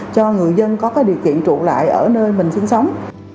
cho người dân có cái điều kiện trụ lại ở nơi mình sinh sống